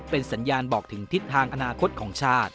เป็นสัญญาณบอกถึงทิศทางอนาคตของชาติ